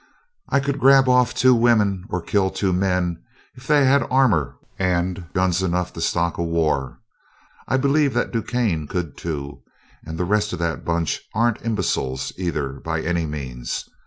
I could grab off two women, or kill two men, if they had armor and guns enough to stock a war. I believe that DuQuesne could, too and the rest of that bunch aren't imbeciles, either, by any means.